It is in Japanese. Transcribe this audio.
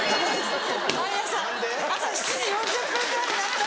毎朝朝７時４０分ぐらいになったら。